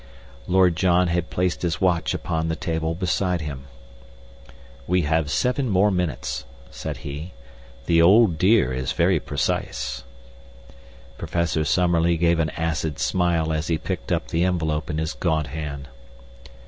Lord John had placed his watch upon the table beside him. "We have seven more minutes," said he. "The old dear is very precise." Professor Summerlee gave an acid smile as he picked up the envelope in his gaunt hand.